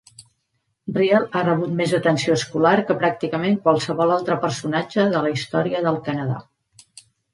Riel ha rebut més atenció escolar que pràcticament qualsevol altre personatge de la història del Canadà.